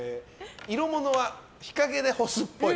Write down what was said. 色物は日陰で干すっぽい。